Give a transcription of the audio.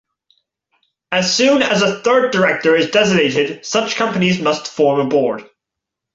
As soon as a third director is designated such companies must form a board.